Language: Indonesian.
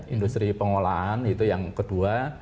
industri pengolahan itu yang kedua